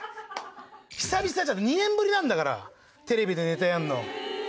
久々じゃ２年ぶりなんだからテレビでネタやるの。